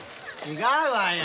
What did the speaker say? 違うわよ。